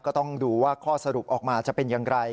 ก็ต้องดูว่าข้อสรุปออกมาจะเป็นอย่างไร